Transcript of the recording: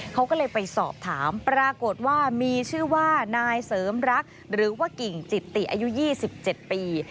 เขาก็เลยไปสอบถามปรากฏว่ามีชื่อว่านายเสริมรักหรือว่ากิ่งจิตติอายุ๒๗ปี